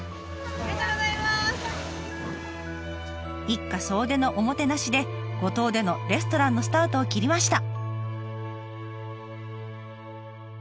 一家総出のおもてなしで五島でのレストランのスタートを切りました。